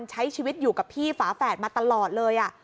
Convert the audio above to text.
ใช้ชีวิตอยู่กับพี่ฝาแฝดมาตลอดเลย